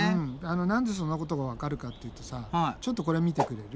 何でそんなことがわかるかっていうとさちょっとこれ見てくれる。